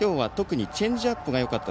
チェンジアップがよかった。